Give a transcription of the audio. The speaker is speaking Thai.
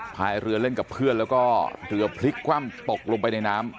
พายเรือเล่นกับเพื่อนแล้วก็เรือพลิกคว่ำตกลงไปในน้ำ